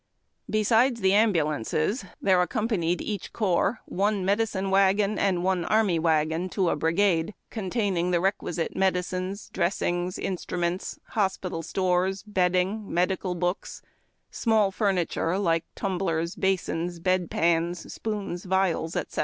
Besides the ambulances, there acc6mpanied each corps one medicine wagon and one army wagon to a brigade, containing the requisite medicines, dressings, instruments, hospital stores, bedding, medical books, small furniture (like tumblers, basins, bed pans, spoons, vials, etc.).